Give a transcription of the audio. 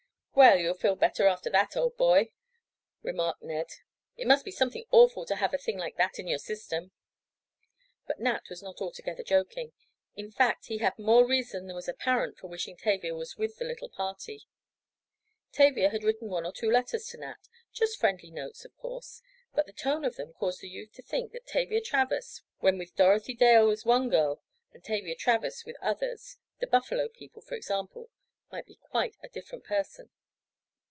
"Well, you'll feel better after that, old boy," remarked Ned. "It must be something awful to have a thing like that in your system." But Nat was not altogether joking. In fact he had more reason than was apparent for wishing Tavia was with the little party. Tavia had written one or two letters to Nat—just friendly notes of course—but the tone of them caused the youth to think that Tavia Travers when with Dorothy Dale was one girl, and Tavia Travers with others—the Buffalo people for example—might be quite a different person.